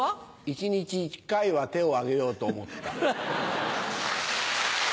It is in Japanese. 一日１回は手を挙げようと思った。